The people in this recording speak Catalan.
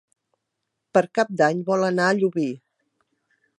Per Cap d'Any vol anar a Llubí.